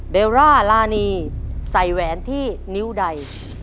เบลล่ารานีใส่แหวนที่นิ้วใด